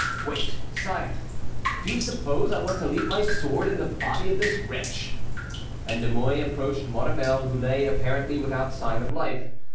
"Wait, sire. Do you suppose I want to leave my sword in the body of this wretch?" and De Mouy approached Maurevel, who lay apparently without sign of life.